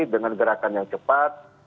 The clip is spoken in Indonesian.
dengan gerakan yang cepat